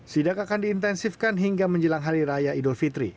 sidak akan diintensifkan hingga menjelang hari raya idul fitri